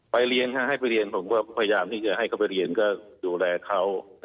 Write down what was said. ให้ไปเรียนผมก็พยายามที่จะให้เขาไปเรียนก็ดูแลเขา